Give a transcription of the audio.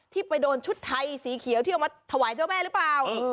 ไปโดนชุดไทยสีเขียวที่เอามาถวายเจ้าแม่หรือเปล่า